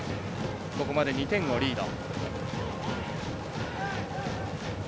ここまで２点をリード。